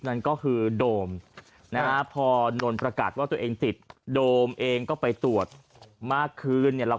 นั่นก็คือโดมนะฮะพอนนท์ประกาศว่าตัวเองติดโดมเองก็ไปตรวจมากขึ้นเนี่ยเรา